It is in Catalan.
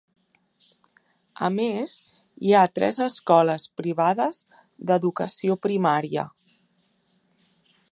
A més, hi ha tres escoles privades d'educació primària.